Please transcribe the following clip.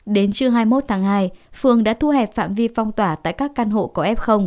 đến trưa hai mươi một tháng hai phường đã thu hẹp phạm vi phong tỏa tại các căn hộ có f